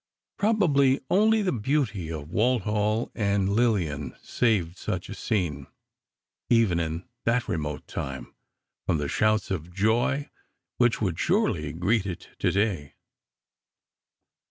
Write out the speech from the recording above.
Probably only the beauty of Walthall and Lillian saved such a scene, even in that remote time, from the shouts of joy which would surely greet it today.